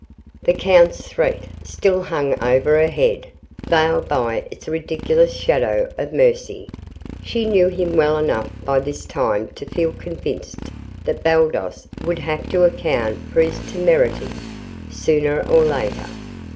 The count's threat still hung over her head, veiled by its ridiculous shadow of mercy. She knew him well enough by this time to feel convinced that Baldos would have to account for his temerity, sooner or later.